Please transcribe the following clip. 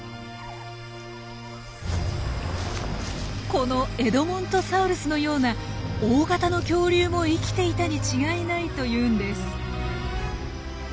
このエドモントサウルスのような大型の恐竜も生きていたに違いないというんです。